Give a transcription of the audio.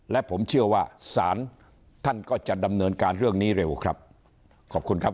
และผมเชื่อว่าศาลท่านก็จะดำเนินการเรื่องนี้เร็วครับขอบคุณครับ